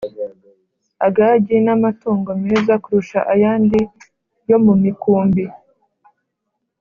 Agagi n amatungo meza kurusha ayandi yo mu mikumbi